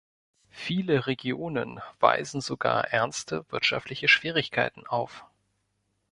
Viele Regionen weisen sogar ernste wirtschaftliche Schwierigkeiten auf.